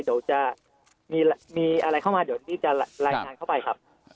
เดี๋ยวจะมีอะไรเข้ามาเดี๋ยวนี้จะรายงานเข้าไปครับ